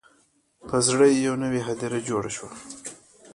په زړه یې یوه نوي هدیره جوړه شوه